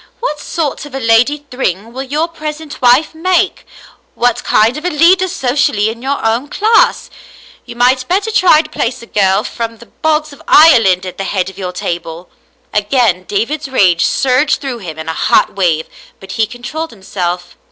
What sort of a Lady Thryng will your present wife make ? What kind of a leader socially in your own class ? You might better try to place a girl from the bogs of Ireland at the head of your table." Again David's rage surged through him in a hot wave, but he controlled himself.